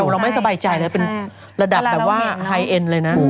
เราไม่สบายใจนะเป็นระดับแบบว่าไฮเอ็นเลยนะ